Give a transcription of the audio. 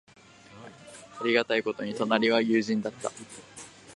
ありがたいことに、隣は友人だった。